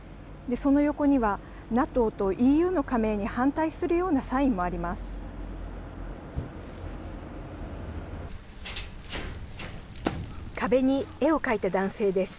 その横にはＮＡＴＯとＥＵの加盟に反対するようなサインもあります。